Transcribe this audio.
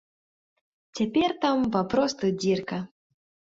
Цяпер там папросту дзірка.